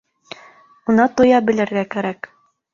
Уны тоя белергә кәрәк.